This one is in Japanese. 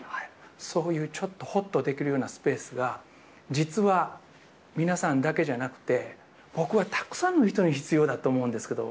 そういうちょっとほっとできるようなスペースが、実は皆さんだけじゃなくて、僕はたくさんの人に必要だと思うんですけど。